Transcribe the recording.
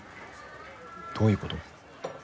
どういうこと？